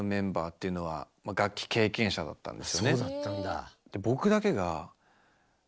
そうだったんだ。